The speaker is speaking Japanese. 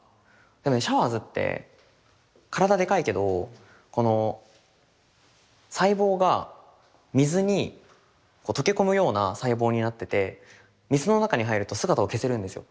シャワーズって体でかいけど細胞が水に溶け込むような細胞になってて水の中に入ると姿を消せるんですよ。